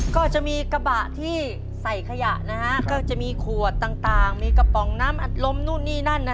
ก็จะมีกระบะที่ใส่ขยะนะฮะก็จะมีขวดต่างมีกระป๋องน้ำอัดลมนู่นนี่นั่น